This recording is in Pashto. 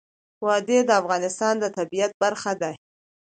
وادي د افغانستان د طبیعت برخه ده.